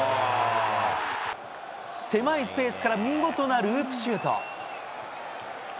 狭いスペースから見事なループシュート。